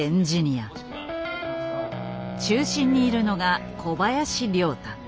中心にいるのが小林竜太。